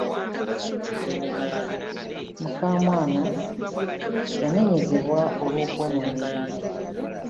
Mukamwana yaneenyezebwa olw'okwonoona ebintu.